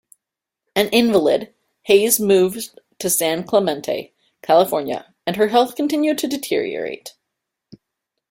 An invalid, Hayes moved to San Clemente, California and her health continued to deteriorate.